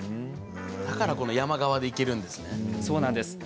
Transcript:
だから山側でいけるんですね。